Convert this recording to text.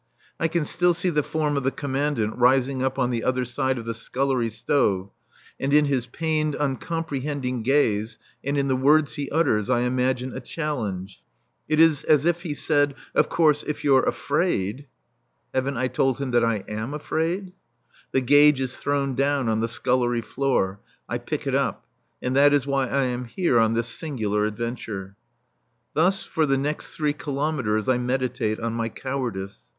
I can still see the form of the Commandant rising up on the other side of the scullery stove, and in his pained, uncomprehending gaze and in the words he utters I imagine a challenge. It is as if he said, "Of course, if you're afraid" (haven't I told him that I am afraid?). The gage is thrown down on the scullery floor. I pick it up. And that is why I am here on this singular adventure. Thus, for the next three kilometres, I meditate on my cowardice.